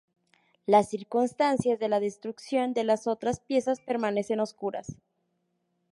Las circunstancias de la destrucción de las otras piezas permanecen oscuras.